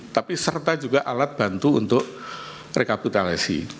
tapi serta juga alat bantu untuk rekapitalisasi